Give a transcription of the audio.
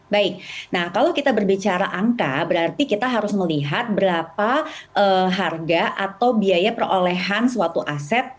baik nah kalau kita berbicara angka berarti kita harus melihat berapa harga atau biaya perolehan suatu aset